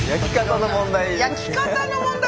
焼き方の問題？